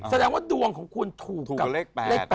แสดงว่าดวงของคุณถูกกับเลข๘เลข๘